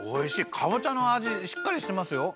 かぼちゃのあじしっかりしてますよ。